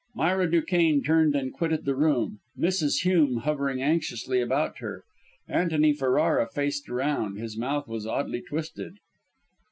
Myra Duquesne turned and quitted the room, Mrs. Hume hovering anxiously about her. Antony Ferrara faced around; his mouth was oddly twisted.